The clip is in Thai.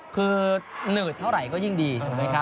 คือหนืดเท่าไหร่ก็ยิ่งดี